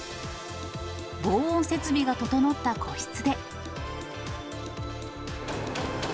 防音設備が整った個室で。